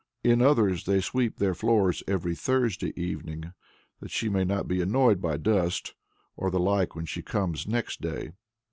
In others they sweep their floors every Thursday evening, that she may not be annoyed by dust or the like when she comes next day.